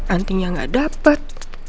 antingnya gak dapet